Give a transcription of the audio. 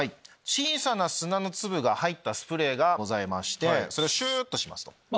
小さな砂の粒が入ったスプレーがございましてそれをシュっとします。